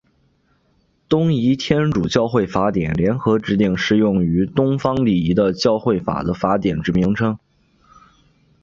东仪天主教会法典联合制定适用于东方礼仪的教会法的法典之名称。